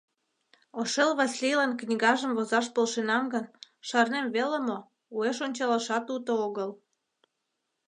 Ошэл Васлийлан книгажым возаш полшенам гын, шарнем веле мо, уэш ончалашат уто огыл.